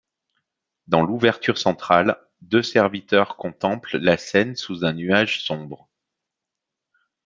Dans l'ouverture centrale, deux serviteurs contemplent la scène sous un nuage sombre.